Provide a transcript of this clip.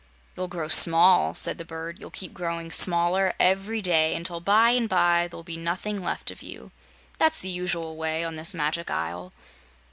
"You'll grow small," said the Bird. "You'll keep growing smaller every day, until bye and bye there'll be nothing left of you. That's the usual way, on this Magic Isle."